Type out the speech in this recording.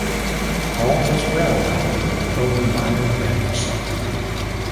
All was well however, with only minor damage suffered.